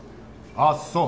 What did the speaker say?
あっそう！